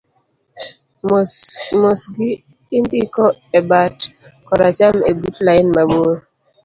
mosgi indiko e bat koracham ebut lain mabor